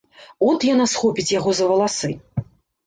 От яна схопіць яго за валасы.